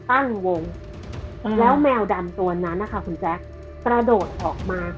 ตั้งวงแล้วแมวดำตัวนั้นนะคะคุณแจ๊คกระโดดออกมา